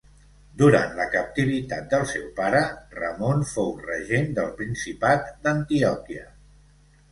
Durant la captivitat del seu pare, Ramon fou regent del Principat d'Antioquia.